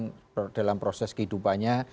ada ketidakpuasan dalam proses kehidupannya